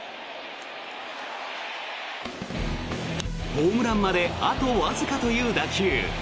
ホームランまであとわずかという打球。